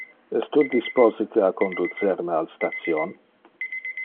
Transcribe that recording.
Es tu disposite a conducer me al station?